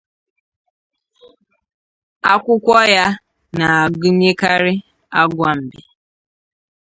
Akwụkwọ ya na-agụnyekarị agwa mbe.